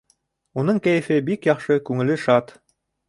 Уның кәйефе бик яҡшы, күңеле шат.